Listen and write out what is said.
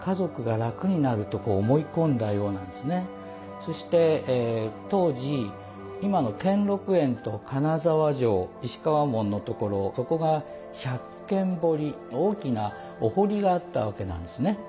そして当時今の兼六園と金沢城石川門のところそこが百間堀大きなお堀があったわけなんですね。